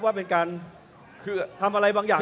ว่าเป็นการคือทำอะไรบางอย่าง